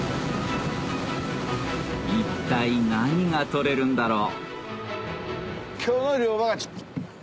一体何が取れるんだろう？